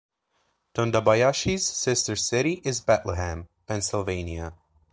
Tondabayashi's sister city is Bethlehem, Pennsylvania.